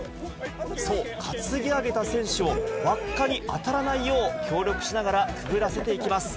そう、担ぎ上げた選手を輪っかに当たらないよう、協力しながらくぐらせていきます。